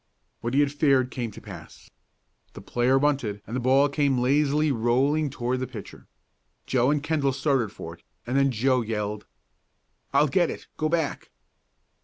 What he had feared came to pass. The player bunted and the ball came lazily rolling toward the pitcher. Joe and Kendall started for it, and then Joe yelled: "I'll get it go back!"